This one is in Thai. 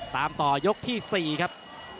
ตามต่อยกที่๔ครับ